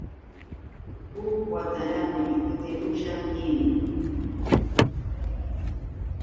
Huk watarqmi kutimushaq ninmi.